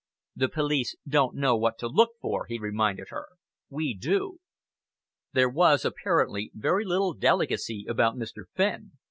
"The police don't know what to look for," he reminded her. "We do." There was apparently very little delicacy about Mr. Fenn.